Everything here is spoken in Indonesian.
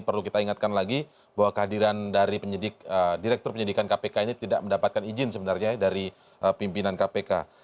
perlu kita ingatkan lagi bahwa kehadiran dari penyidik direktur penyidikan kpk ini tidak mendapatkan izin sebenarnya dari pimpinan kpk